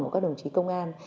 của các đồng chí công an